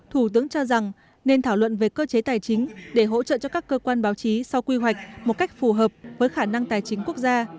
thủ tướng cho rằng nên thảo luận về cơ chế tài chính để hỗ trợ cho các cơ quan báo chí sau quy hoạch một cách phù hợp với khả năng tài chính quốc gia